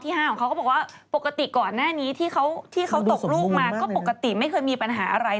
แล้วที่เขาตกลูกมาก็ปกติไม่เคยมีปัญหาอะไร